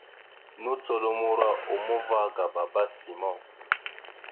Nùcolomoro a uma ava ga baba simon.